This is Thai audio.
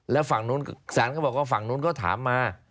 แล้วฝั่งนู้นศาลก็บอกว่าฝั่งนู้นก็ถามมา